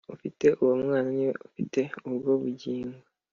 Ufite uwo Mwana niwe ufite ubwo bugingo